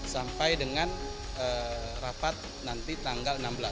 sampai dengan rapat nanti tanggal enam belas